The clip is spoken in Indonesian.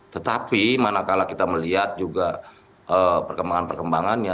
tetapi mana kala kita melihat juga perkembangan perkembangannya